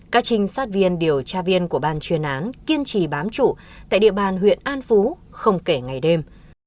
các trinh sát viên điều tra viên của ban chuyên án kiên trì bám trụ tại địa bàn huyện an phú không kể ngày đêm